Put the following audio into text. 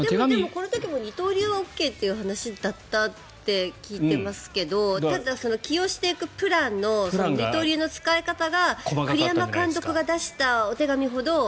この時も二刀流はＯＫだったという話だったと聞いていますけれどただ起用していくプランの二刀流の使い方が栗山監督が出したお手紙ほど。